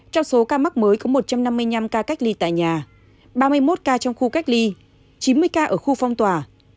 trong số ca mắc mới có một trăm năm mươi năm ca cách ly tại nhà ba mươi một ca trong khu cách ly chín mươi ca ở khu phong tỏa